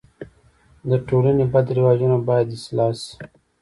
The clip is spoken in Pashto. د ټولني بد رواجونه باید اصلاح سي.